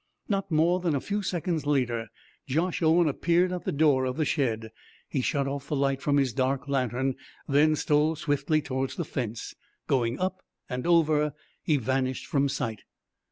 Not more than a few seconds later Josh Owen appeared at the door of the shed. He shut off the light from his dark lantern, then stole swiftly towards the fence. Going up and over, he vanished from sight.